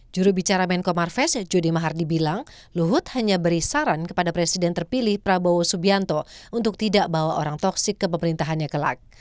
jurubicara menko marves judi mahardi bilang luhut hanya beri saran kepada presiden terpilih prabowo subianto untuk tidak bawa orang toksik ke pemerintahannya kelak